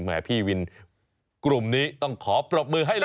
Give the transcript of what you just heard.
พี่วินกลุ่มนี้ต้องขอปรบมือให้เลย